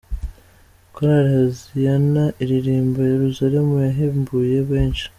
Korali Hoziana iririmba "Yerusalemu" yahembuye benshi.